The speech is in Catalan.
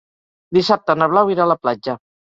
Dissabte na Blau irà a la platja.